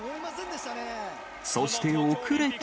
そして遅れて。